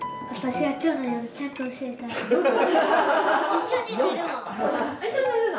一緒に寝るの？